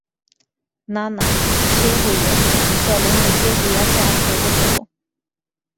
না না, সে হইবে না–চলো, নীচে গিয়া চা খাইবে চলো।